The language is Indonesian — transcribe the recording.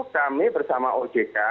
kami bersama ojk